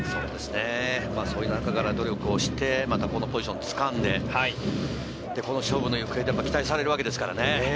その中から努力をして、このポジションをつかんで、勝負の行方で期待されるわけですからね。